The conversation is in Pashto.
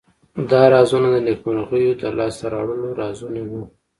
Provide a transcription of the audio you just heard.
دا رازونه د نیکمرغیو د لاس ته راوړلو رازونه وو.